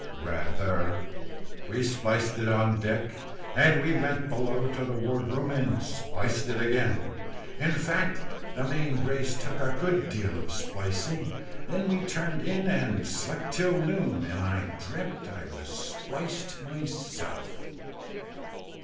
Rather. We spliced it on deck, and we went below to the ward room and spliced it again; in fact that main brace took a good deal of splicing, then we turned in and slept till noon, and I dreamt I was spliced myself.